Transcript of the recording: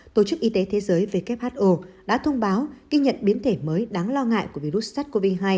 tổ chức y tế thế giới who đã thông báo ghi nhận biến thể mới đáng lo ngại của virus sars cov hai